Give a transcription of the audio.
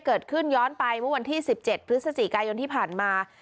เกิดขึ้นย้อนไปเมื่อวันที่สิบเจ็ดพฤษฎีกายนที่ผ่านมา